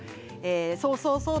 そうそうそう！